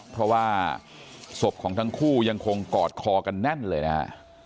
เพราะว่าศพของทั้งคู่ยังคงกอดคอกันแน่นเลยนะฮะ